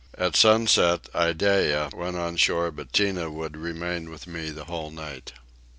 At sunset Iddeah went on shore but Tinah would remain with me the whole night.